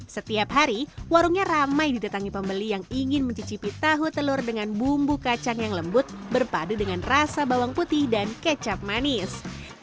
setiap hari warungnya ramai didatangi pembeli yang ingin mencicipi tahu telur dengan bumbu kacang yang lembut berpadu dengan rasa bawang putih dan kecap manis